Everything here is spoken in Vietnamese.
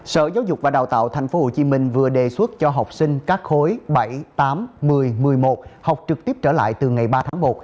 sở giáo dục và đào tạo tp hcm vừa đề xuất cho học sinh các khối bảy tám một mươi một mươi một học trực tiếp trở lại từ ngày ba tháng một